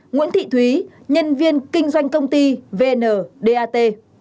nguyễn thị thúy nhân viên kinh doanh công ty vndat